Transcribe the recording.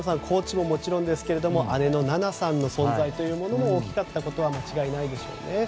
コーチももちろんですが姉の菜那さんの存在というものも大きかったことは間違いないでしょうね。